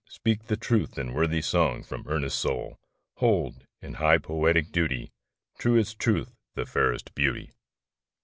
speak the truth in Worthy song from earnest soul ! Hold, in high poetic duty, Truest Truth the fairest Beauty!